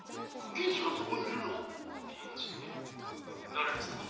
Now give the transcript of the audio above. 銀次がそこにいるのか？